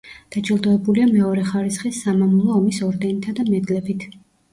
დაჯილდოებულია მეორე ხარისხის სამამულო ომის ორდენითა და მედლებით.